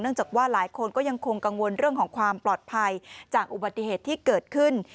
จากว่าหลายคนก็ยังคงกังวลเรื่องของความปลอดภัยจากอุบัติเหตุที่เกิดขึ้น